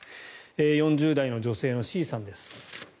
４０代の女性のＣさんです。